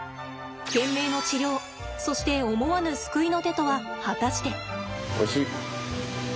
懸命の治療そして思わぬ救いの手とは果たして。